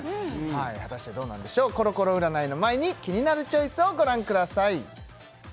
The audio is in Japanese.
はい果たしてどうなんでしょうコロコロ占いの前にキニナルチョイスをご覧ください